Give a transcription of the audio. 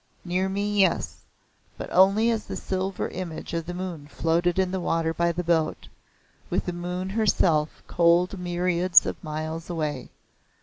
Near me yes! but only as the silver image of the moon floated in the water by the boat, with the moon herself cold myriads of miles away.